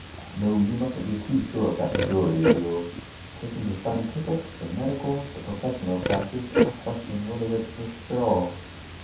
No, you mustn't be too sure of that majority of yours. Taking the scientific, the medical, the professional classes, I question whether it exists at all.